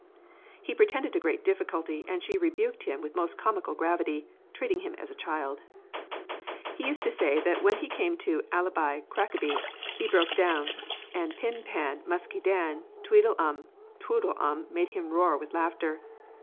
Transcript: He pretended to great difficulty, and she rebuked him with most comical gravity, treating him as a child. He used to say that when he came to Alibi Crackaby he broke down, and Pin Pan, Musky Dan, Tweedle um Twoddle um made him roar with laughter.